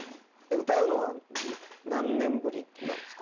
歌うのは何年ぶりなんですか？